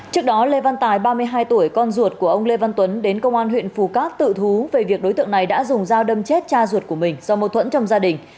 trước đó lê văn tài ba mươi hai tuổi con ruột của ông lê văn tuấn đến công an huyện phù cát tự thú về việc đối tượng này đã dùng dao đâm chết cha ruột của mình do mâu thuẫn trong gia đình